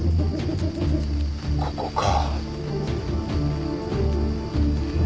ここか。